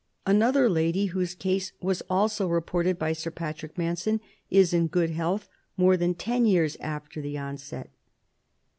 Another lady, whose case was also reported by Sir P. Manson, is in good health more than ten years after the onset.